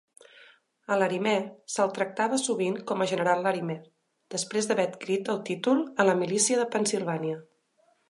A Larimer se'l tractava sovint com a "General Larimer", després d'haver adquirit el títol a la Milícia de Pennsilvània.